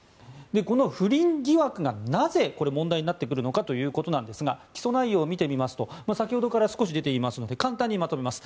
この不倫疑惑がなぜこれ問題になってくるのかということですが起訴内容を見てみますと先ほどから少し出ていますので簡単にまとめます。